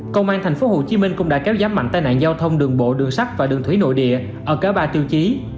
công an tp hcm cũng đã kéo giám mạnh tai nạn giao thông đường bộ đường sắt và đường thủy nội địa ở cả ba tiêu chí